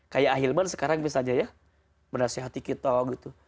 kayak ahilman sekarang misalnya ya menasehati kita gitu